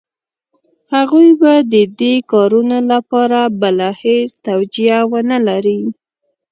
هغوی به د دې کارونو لپاره بله هېڅ توجیه ونه لري.